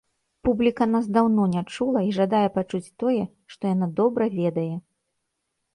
Публіка нас даўно не чула і жадае пачуць тое, што яна добра ведае.